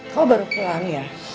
kau baru pulang ya